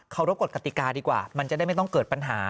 รบกฎกติกาดีกว่ามันจะได้ไม่ต้องเกิดปัญหา